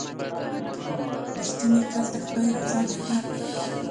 • رښتینی کس د خدای رضا ګټي.